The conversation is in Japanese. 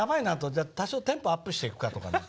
じゃあ多少テンポアップしていくかとかね。